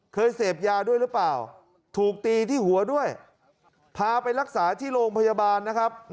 เสพยาด้วยหรือเปล่าถูกตีที่หัวด้วยพาไปรักษาที่โรงพยาบาลนะครับ